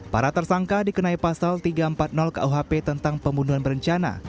para tersangka dikenai pasal tiga ratus empat puluh kuhp tentang pembunuhan berencana